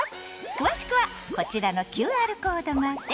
詳しくはこちらのＱＲコードまで！